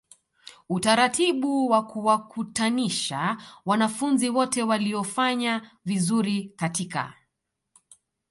utaratibu wakuwakutanisha wanafunzi wote waliofanya vizuri katika